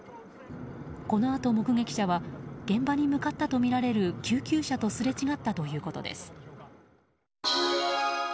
このあと目撃者は現場に向かったとみられる救急車とすれ違ったということです。